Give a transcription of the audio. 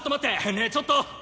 ねえちょっと！